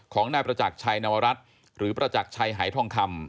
ของนายประจักรชัยนวรัฐหรือประจักรชัยหายทองคำ